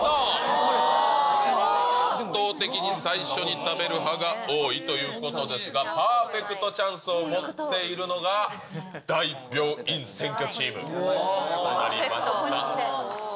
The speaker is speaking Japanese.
これは圧倒的に最初に食べる派が多いということですが、パーフェクトチャンスを持っているのが、大病院占拠チームとなりました。